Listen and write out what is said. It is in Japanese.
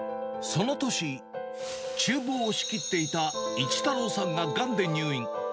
その年、ちゅう房を仕切っていた市太郎さんががんで入院。